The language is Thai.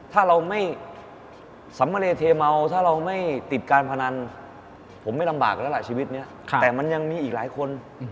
ถ้าเราไม่สำเรเทเมาถ้าเราไม่ติดการพนันผมไม่ลำบากแล้วล่ะชีวิตนี้แต่มันยังมีอีกหลายคน